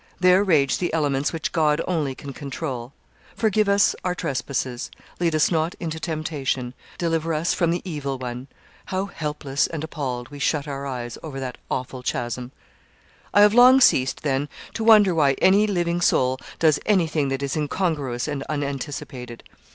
There rage the elements which God only can control. Forgive us our trespasses; lead us not into temptation; deliver us from the Evil One! How helpless and appalled we shut our eyes over that awful chasm. I have long ceased, then, to wonder why any living soul does anything that is incongruous and unanticipated.